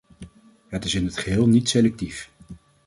Het is in het geheel niet selectief.